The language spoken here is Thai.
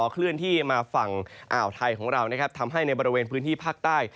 เคลื่อนที่มาฝั่งอ่าวไทยของเรานะครับทำให้ในบริเวณพื้นที่ภาคใต้